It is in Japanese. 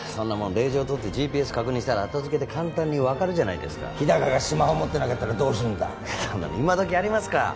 令状とってＧＰＳ確認したら後付けで簡単に分かるじゃないですか日高がスマホ持ってなかったらどうするんだそんなの今どきありますか